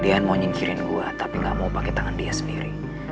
dia mau nyingkirin gue tapi gak mau pakai tangan dia sendiri